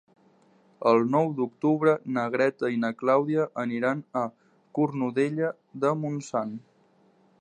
El nou d'octubre na Greta i na Clàudia aniran a Cornudella de Montsant.